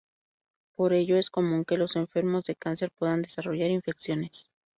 Por ello, es común que los enfermos de cáncer puedan desarrollar infecciones.